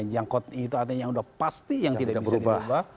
yang kod i itu artinya yang sudah pasti yang tidak bisa diubah